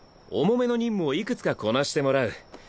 重めの任務をいくつかこなしてもらう。